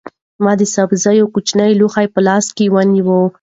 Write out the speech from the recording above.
ما د سبزیو کوچنی لوښی په لاس کې ونیو.